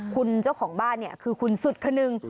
คุณเจ้าของบ้านเนี่ยคือคุณสุดคนึง